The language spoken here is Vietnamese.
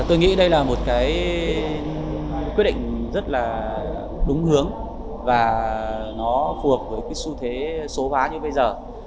tôi nghĩ đây là một cái quyết định rất là đúng hướng và nó phù hợp với cái xu thế số hóa như bây giờ